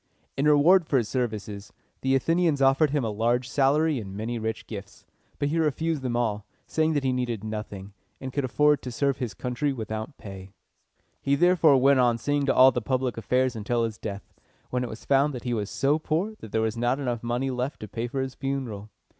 In reward for his services, the Athenians offered him a large salary and many rich gifts; but he refused them all, saying that he needed nothing, and could afford to serve his country without pay. He therefore went on seeing to all the public affairs until his death, when it was found that he was so poor that there was not enough money left to pay for his funeral.